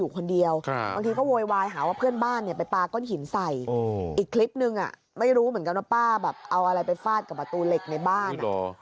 เหมือนกับป้าเอาอะไรไปฟาดกับประตูเหล็กในบ้าน